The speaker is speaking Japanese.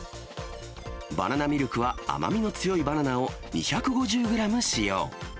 バナナミルクは甘みの強いバナナを２５０グラム使用。